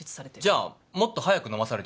じゃあもっと早く飲まされていたとしたら？